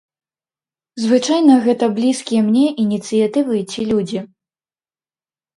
Звычайна, гэта блізкія мне ініцыятывы ці людзі.